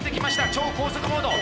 超高速モード。